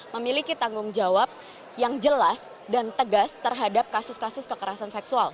memiliki tanggung jawab yang jelas dan tegas terhadap kasus kasus kekerasan seksual